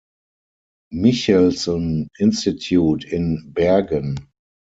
Michelsen Institute in Bergen.